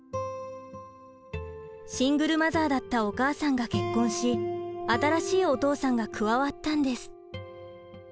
シングルマザーだったお母さんが結婚し新しいお父さんが加わったんです。